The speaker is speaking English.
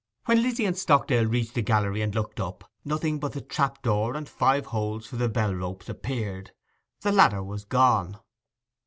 When Lizzy and Stockdale reached the gallery and looked up, nothing but the trap door and the five holes for the bell ropes appeared. The ladder was gone.